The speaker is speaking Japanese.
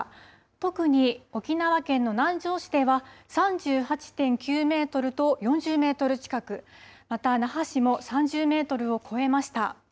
特に沖縄県の南城市では、３８．９メートルと４０メートル近く、また那覇市も３０メートルを超えました。